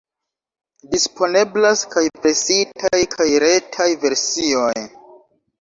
Disponeblas kaj presitaj kaj retaj versioj.